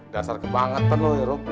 dasar kebangetan lo ya rum